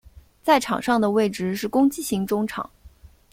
在场上的位置是攻击型中场。